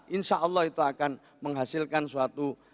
insya allah itu akan menghasilkan suatu